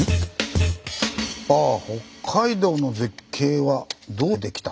あ「北海道の絶景はどうできた？」。